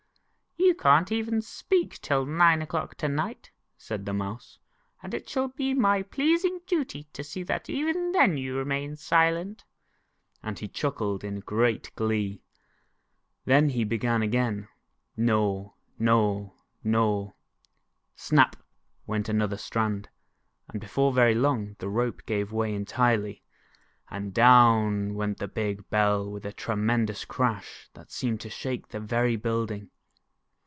" You can't even speak till nine o'clock to night," said the Mouse, "and it shall be my pleas ing duty to see that even then you remain silent," and he chuckled in great glee. Then he bc;.^^in again, " gnaw, gnaw, gnaw." Snap, went another strand, and before very long the rope gave way entirely, and dowii went the big Bell with a tre mendous crash that seemed to shake the very building